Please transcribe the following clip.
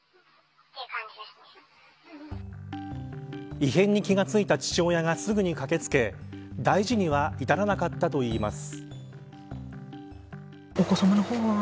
異変に気が付いた父親がすぐに駆け付け大事には至らなかったといいます。